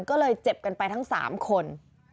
ก็เลยเจ็บกันไปทั้ง๓คน